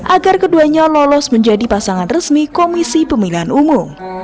agar keduanya lolos menjadi pasangan resmi komisi pemilihan umum